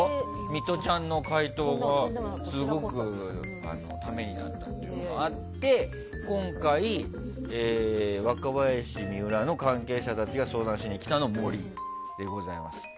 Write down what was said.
ミトちゃんの回答が、すごくためになったっていうのがあって今回、若林と水卜の関係者たちが相談しに来たの森でございます。